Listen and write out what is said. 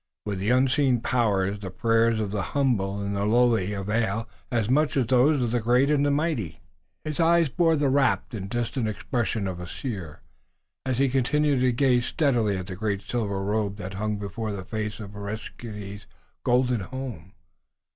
With the unseen powers the prayers of the humble and the lowly avail as much as those of the great and mighty." His eyes bore the rapt and distant expression of the seer, as he continued to gaze steadily at the great silver robe that hung before the face of Areskoui's golden home.